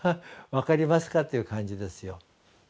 分かりますか？」という感じですよ。